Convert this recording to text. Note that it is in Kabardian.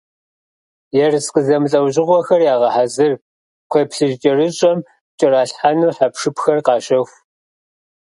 Ерыскъы зэмылӀэужьыгъуэхэр ягъэхьэзыр, кхъуейплъыжькӀэрыщӀэм кӀэралъхьэну хьэпшыпхэр къащэху.